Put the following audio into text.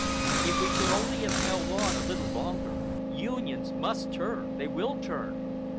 "If we could only have held on a little longer! 'Unions' must turn! They will turn!